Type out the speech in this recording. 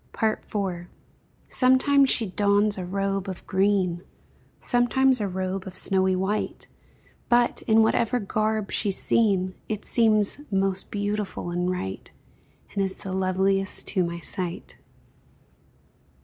IV. Sometimes she dons a robe of green, Sometimes a robe of snowy white, But, in whatever garb she's seen, It seems most beautiful and right, And is the loveliest to my sight.